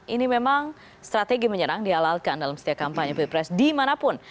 ini memang strategi menyerang dialalkan dalam setiap kampanye di mana pun